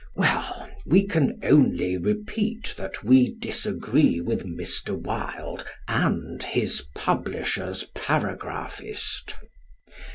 Well, we can only repeat that we disagree with Mr. Wilde and his publishers' paragraphist.